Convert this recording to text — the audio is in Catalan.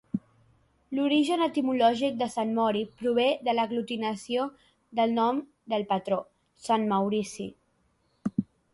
L'origen etimològic de Sant Mori prové de l'aglutinació del nom del patró, sant Maurici.